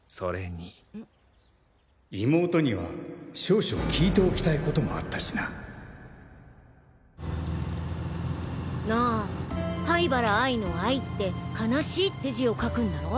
妹には少々聞いておきたい事もあったしななぁ灰原哀の「あい」って哀しいって字を書くんだろ？